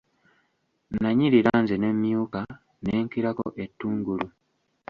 Nanyirira nze ne mmyuka ne nkirako ettungulu!